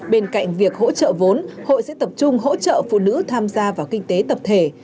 bên cạnh việc hỗ trợ vốn hội sẽ tập trung hỗ trợ phụ nữ tham gia vào kinh tế tập thể